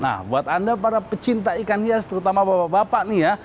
nah buat anda para pecinta ikan hias terutama bapak bapak nih ya